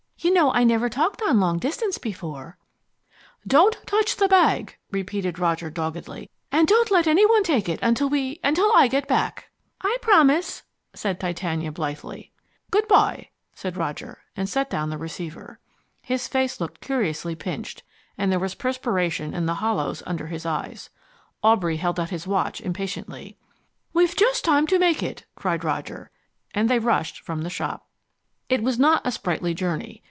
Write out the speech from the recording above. You know I never talked on long distance before " "Don't touch the bag," repeated Roger doggedly, "and don't let any one take it until we until I get back." "I promise," said Titania blithely. "Good bye," said Roger, and set down the receiver. His face looked curiously pinched, and there was perspiration in the hollows under his eyes. Aubrey held out his watch impatiently. "We've just time to make it," cried Roger, and they rushed from the shop. It was not a sprightly journey.